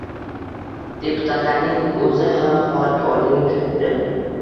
Deputatlarning o‘zi ham holatga oydinlik kiritdi